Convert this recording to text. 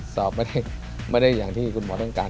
เพราะว่าสอบไม่ได้อย่างที่คุณหมอต้องการ